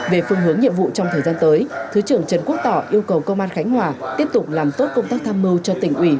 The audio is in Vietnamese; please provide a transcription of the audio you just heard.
về phương hướng nhiệm vụ trong thời gian tới thứ trưởng trần quốc tỏ yêu cầu công an khánh hòa tiếp tục làm tốt công tác tham mưu cho tỉnh ủy